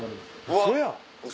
ウソやん。